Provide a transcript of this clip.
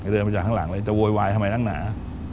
เดินมาจากข้างหลังเลยจะโวยวายทำไมนักหนา